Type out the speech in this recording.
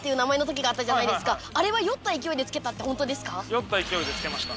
酔った勢いで付けました。